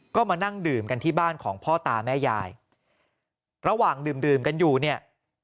ก็มานั่งดื่มกันที่บ้านของพ่อตาแม่ยายระหว่างดื่มดื่มกันอยู่เนี่ย